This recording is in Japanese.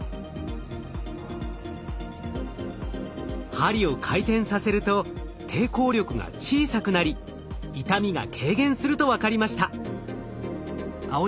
針を回転させると抵抗力が小さくなり痛みが軽減すると分かりました。